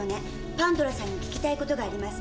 「パンドラさんに聞きたいことがあります。